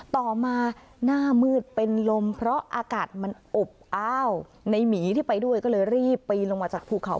ต่อมาหน้ามืดเป็นลมเพราะอากาศมันอบอ้าวในหมีที่ไปด้วยก็เลยรีบปีนลงมาจากภูเขา